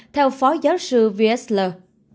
theo phó giáo sư wiesler